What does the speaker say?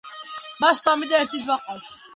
მას სამი და და ერთი ძმა ჰყავს.